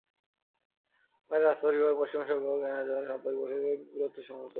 কাতারের রাজপরিবার পশ্চিমা শিল্পকর্ম কেনার জন্য সাম্প্রতিক বছরগুলোতে বিপুল অর্থ খরচ করেছে।